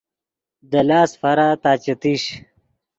دے لاست فارا تا چے تیش